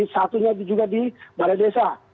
satunya juga di balai desa